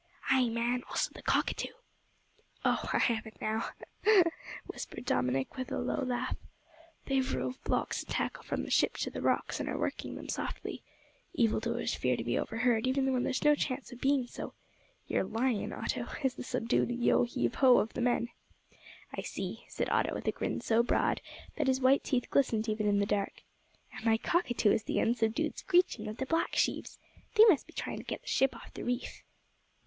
"Ay, man, also the cockatoo." "Oh! I have it now," whispered Dominick, with a low laugh; "they've rove blocks and tackle from the ship to the rocks, and are working them softly. Evildoers fear to be overheard, even when there's no chance of being so! Your lion, Otto, is the subdued yo heave ho of the men." "I see," said Otto, with a grin so broad that his white teeth glistened even in the dark, "and my cockatoo is the unsubdued screeching of the block sheaves! They must be trying to get the ship off the reef."